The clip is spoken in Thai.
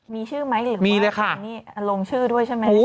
มีชื่อไหมหรือมีเลยค่ะนี่ลงชื่อด้วยใช่ไหม